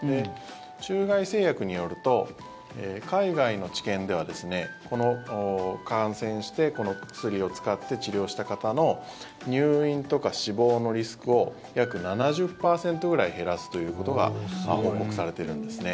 中外製薬によると海外の治験では感染して、この薬を使って治療した方の入院とか死亡のリスクを約７０％ぐらい減らすということが報告されてるんですね。